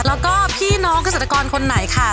แล้วก็พี่น้องเกษตรกรคนไหนค่ะ